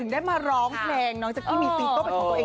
กับเพลงที่มีชื่อว่ากี่รอบก็ได้